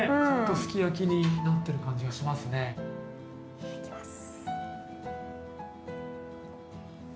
いただきます。